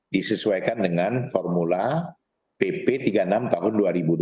disesuaikan dengan formula pp tiga puluh enam tahun dua ribu dua puluh